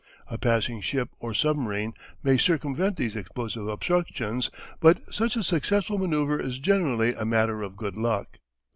A passing ship or submarine may circumvent these explosive obstructions, but such a successful manoeuvre is generally a matter of good luck.